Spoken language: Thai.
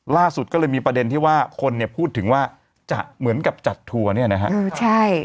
ล่าสุดก็เลยมีประเด็นที่ว่าคนเนี่ยพูดถึงว่าจะเหมือนกับจัดทัวร์เนี่ยนะฮะ